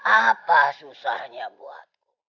apa susahnya buat